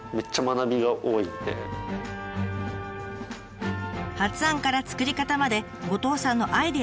発案から造り方まで後藤さんのアイデアが詰まったお酒。